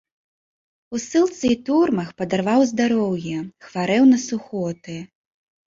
У ссылцы і турмах падарваў здароўе, хварэў на сухоты.